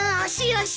よし！